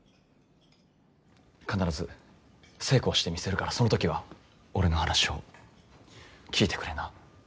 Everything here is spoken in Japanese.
必ず成功してみせるからその時は俺の話を聞いてくれな。